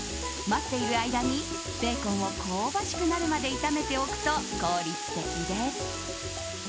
待っている間に、ベーコンを香ばしくなるまで炒めておくと効率的です。